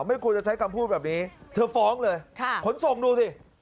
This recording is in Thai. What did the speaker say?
ไม่ควรจะใช้คำพูดแบบนี้เธอฟ้องเลยขนส่งดูสิ